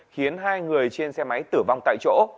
khiến hai người trên xe máy tử vong tại chỗ